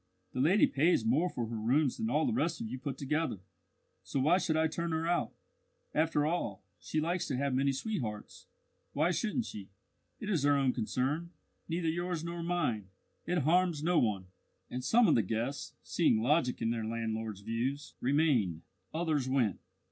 "The lady pays more for her rooms than all the rest of you put together, so why should I turn her out? After all, if she likes to have many sweethearts, why shouldn't she? It is her own concern, neither yours nor mine. It harms no one!" And some of the guests, seeing logic in their landlord's views, remained; others went.